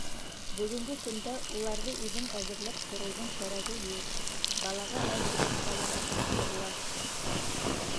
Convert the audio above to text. Бөгөнгө көндә уларҙы үҙең әҙерләп тороуҙың кәрәге юҡ, балаға әҙер бутҡалар ашатырға ла була.